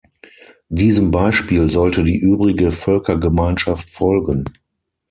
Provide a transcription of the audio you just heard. Diesem Beispiel sollte die übrige Völkergemeinschaft folgen.